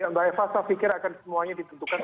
mbak eva saya pikir akan semuanya ditentukan